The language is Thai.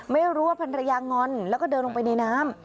ไม่รู้ว่าพันรยางอนแล้วก็เดินลงไปในน้ำ